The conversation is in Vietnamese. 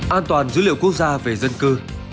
an toàn dữ liệu quốc gia về dân cư